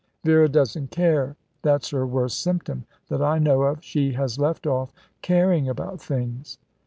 "Vera doesn't care. That's her worst symptom, that I know of. She has left off caring about things."